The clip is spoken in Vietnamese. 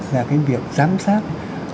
là cái việc giám sát